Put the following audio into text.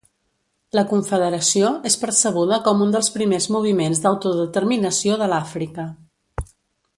La Confederació és percebuda com un dels primers moviments d'autodeterminació de l'Àfrica.